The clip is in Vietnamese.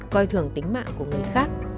coi thường tính mạng của người khác